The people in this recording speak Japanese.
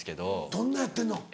どんなんやってんの？